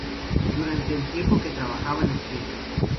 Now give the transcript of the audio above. Durante el tiempo que trabajaba en St.